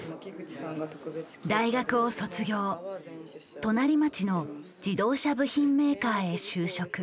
大学を卒業隣町の自動車部品メーカーへ就職。